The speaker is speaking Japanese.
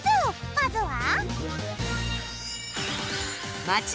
まずは。